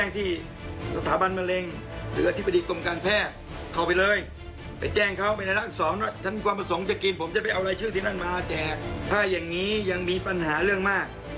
ที่ท่านมาแจกผ้าอย่างนี้ยังมีปัญหาเรื่องมาก